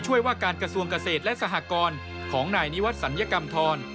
ว่าการกระทรวงเกษตรและสหกรของนายนิวัตรศัลยกรรมธร